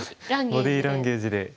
ボディーランゲージで。